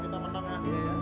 kita menang ya